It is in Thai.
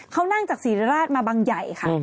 เขานั่งจากศรีราชมาบังใหญ่ค่ะ